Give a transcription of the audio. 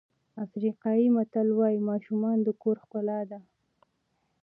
افریقایي متل وایي ماشومان د کور ښکلا ده.